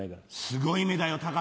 すごい目だよ隆。